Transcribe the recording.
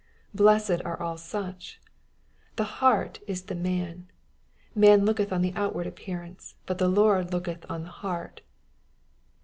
Blessea are all such I The heart is the man. ^^Manlookethonthe outward appearance^ but the Lord looketh on the heart."